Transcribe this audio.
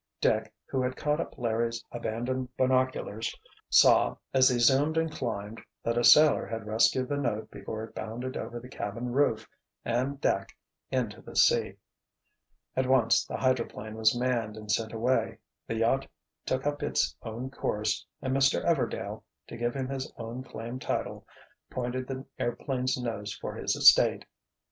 Dick, who had caught up Larry's abandoned binoculars, saw as they zoomed and climbed that a sailor had rescued the note before it bounded over the cabin roof and deck into the sea. At once the hydroplane was manned and sent away, the yacht took up its own course, and Mr. Everdail—to give him his own claimed title—pointed the airplane's nose for his estate.